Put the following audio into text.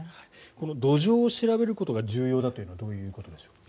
この土壌を調べることが重要だというのはどういうことでしょう。